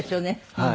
はい。